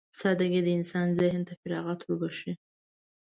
سادهګي د انسان ذهن ته فراغت وربښي.